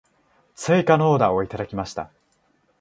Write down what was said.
追加のオーダーをいただきました。